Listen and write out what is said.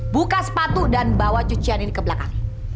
buka sepatu dan bawa cucian ini ke belakang